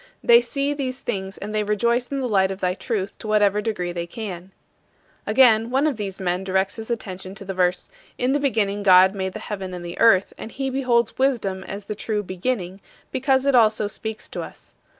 They see these things and they rejoice in the light of thy truth to whatever degree they can. 39. Again, one of these men directs his attention to the verse, "In the beginning God made the heaven and the earth," and he beholds Wisdom as the true "beginning," because it also speaks to us.